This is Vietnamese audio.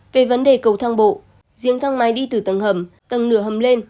về vấn đề cầu thang bộ riêng thang máy đi từ tầng hầm tầng nửa hầm lên